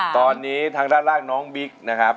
ตอนนี้ทางด้านล่างน้องบิ๊กนะครับ